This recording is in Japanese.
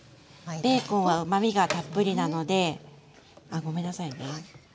ベーコンはうまみがたっぷりなのであごめんなさいね。